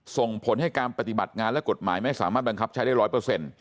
ส่งผลให้การปฏิบัติงานและกฎหมายไม่สามารถบังคับใช้ได้ร้อยเปอร์เซ็นต์